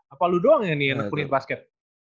apa lu doang yang ini yang ngelakuin basket